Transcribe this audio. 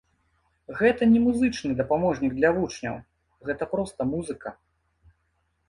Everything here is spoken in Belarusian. Гэта не музычны дапаможнік для вучняў, гэта проста музыка.